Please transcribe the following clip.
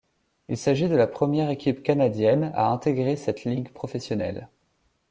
Il s'agit de la première équipe canadienne à intégrer cette ligue professionnelle.